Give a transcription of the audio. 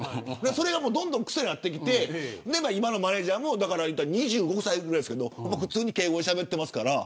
それがどんどん癖になってきて今のマネジャーも２５歳ぐらいですけれど普通に敬語でしゃべってます。